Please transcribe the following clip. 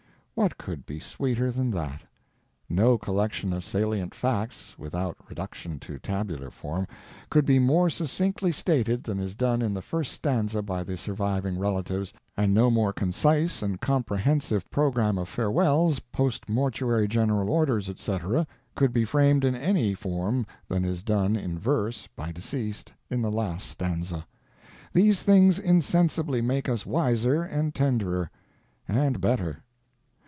What could be sweeter than that? No collection of salient facts (without reduction to tabular form) could be more succinctly stated than is done in the first stanza by the surviving relatives, and no more concise and comprehensive program of farewells, post mortuary general orders, etc., could be framed in any form than is done in verse by deceased in the last stanza. These things insensibly make us wiser and tenderer, and better.